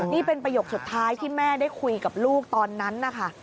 นี่เป็นประโยคสุดท้ายที่แม่ได้คุยกับลูกตอนนั้นนะคะ